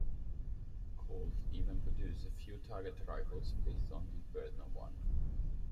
Colt even produced a few target rifles based on the Berdan One.